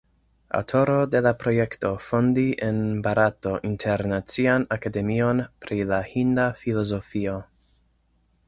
Aŭtoro de la projekto fondi en Barato Internacian Akademion pri la Hinda Filozofio.